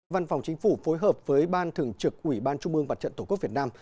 văn phòng chính phủ phối hợp với ban thường trực ủy ban trung mương mặt trận tổ quốc việt nam